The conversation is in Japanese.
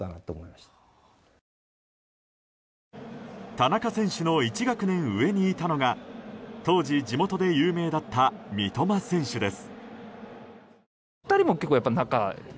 田中選手の１学年上にいたのが当時、地元で有名だった三笘選手です。